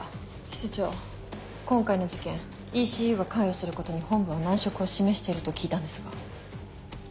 室長今回の事件ＥＣＵが関与することに本部は難色を示していると聞いたんですが。